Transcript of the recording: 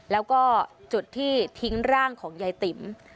แล้วก็จุดที่ทิ้งร่างของยายติ๋ม